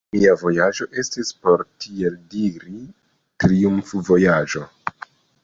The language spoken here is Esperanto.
Mia vojaĝo estis, por tiel diri, triumfvojaĝo.